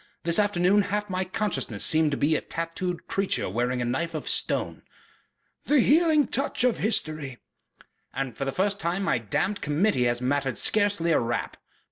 This afternoon half my consciousness has seemed to be a tattooed creature wearing a knife of stone...." "The healing touch of history." "And for the first time my damned Committee has mattered scarcely a rap."